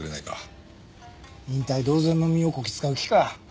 引退同然の身をこき使う気か？